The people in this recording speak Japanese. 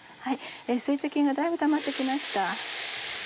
水滴がだいぶたまって来ました。